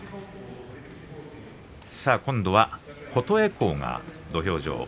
今度は琴恵光が土俵上。